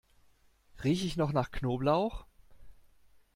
Rieche ich noch nach Knoblauch?